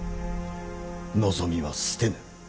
望みは捨てぬ。